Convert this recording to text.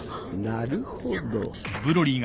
なるほど。